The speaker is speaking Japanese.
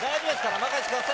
任せてください。